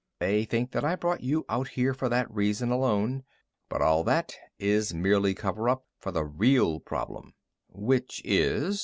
They think that I brought you out here for that reason alone. "But all that is merely cover up for the real problem." "Which is?"